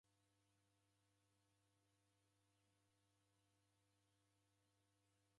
Vilongozi w'a dini wakanilo malagho gha siasa.